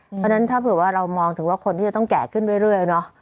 เพราะฉะนั้นถ้าเผื่อว่าเรามองถึงว่าคนที่จะต้องแก่ขึ้นเรื่อยเนาะ